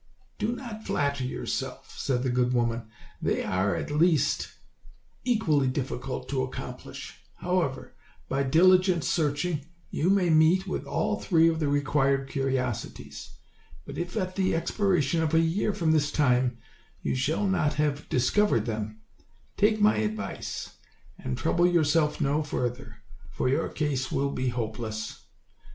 "Do not flatter yourself," said the good woman, "they are at least equally difficult to accomplish. However, by diligent searchi&g, you may meet with all three of the OLD, OLD FAIR7 TALES. 165 required curiosities; but if at the expiration of a year from this time you shall not have discovered them, take my advice and trouble yourself no further, for your case will be hopeless.